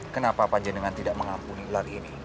kenapa panjendengan tidak mengampuni ular ini